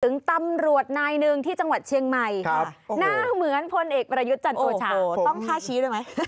ถึงตำรวจนายหนึ่งที่จังหวัดเชียงใหม่หน้าเหมือนพลเอกประยุทธ์จันโอชาต้องท่าชี้ด้วยไหม